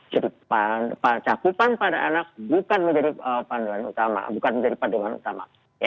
jadi cakupan pada anak bukan menjadi panduan utama